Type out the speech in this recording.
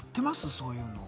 そういうの。